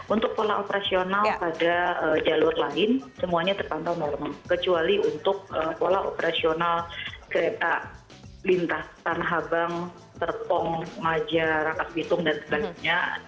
untuk pola operasional pada jalur lain semuanya terpantau normal kecuali untuk pola operasional kereta lintas tanah abang serpong maja rakas bitung dan sebagainya